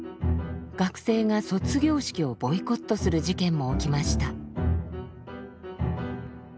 学生が卒業式をボイコットする事件も起きました。